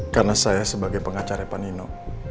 karena saya sebagai pengacara ipan nino